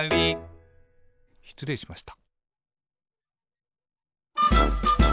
しつれいしました。